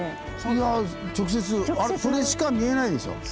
いやぁ直接それしか見えないでしょ。